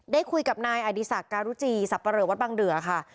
ได้คุยกับนายอดีศักดิการุจีสับปะเหลอวัดบางเดือค่ะ